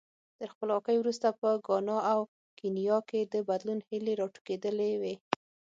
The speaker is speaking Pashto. تر خپلواکۍ وروسته په ګانا او کینیا کې د بدلون هیلې راټوکېدلې وې.